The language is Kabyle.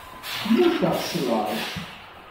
Mmuteɣ s laẓ.